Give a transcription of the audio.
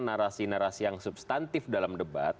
narasi narasi yang substantif dalam debat